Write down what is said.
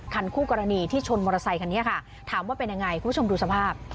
คันคู่กรณีที่ชนมอเทศขันนี้ค่ะถามว่าเป็นไงคุณผู้ชมดูสภาพ